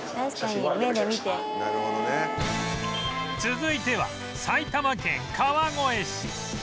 続いては埼玉県川越市